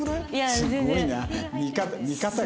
すごいな。